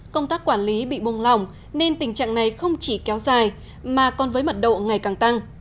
công tác quản lý bị buông lỏng nên tình trạng này không chỉ kéo dài mà còn với mật độ ngày càng tăng